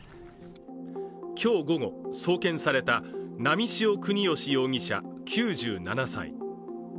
今日午後送検された、波汐國芳容疑者、９７歳。